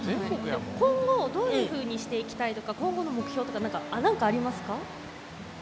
今後、どういうふうにしていきたいとか今後の目標ありますか？